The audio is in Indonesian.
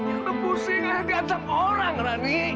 itu pusing yang diancam orang rani